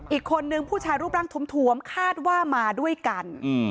อีกคนนึงผู้ชายรูปร่างถวมคาดว่ามาด้วยกัน